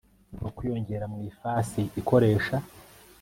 ukwiyongera mu ifasi ikoresha